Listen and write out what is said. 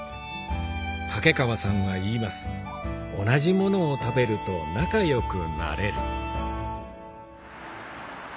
竹川さんは言います「同じものを食べると仲良くなれる」